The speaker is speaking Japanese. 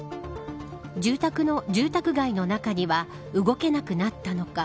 住宅街の中には動けなくなったのか